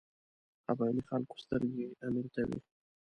قبایلي خلکو سترګې امیر ته وې.